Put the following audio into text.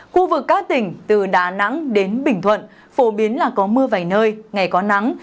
khu vực các tỉnh từ đà nẵng đến bình thuận phổ biến là có mưa vài nơi ngày có nắng